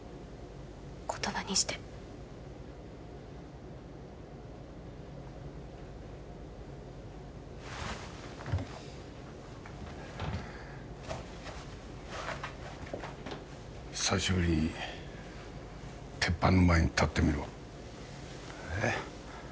言葉にして久しぶりに鉄板の前に立ってみろえっ？